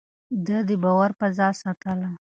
ده د باور فضا ساتله.